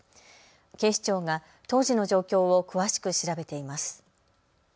警視庁が当時の状況を詳しく調べています。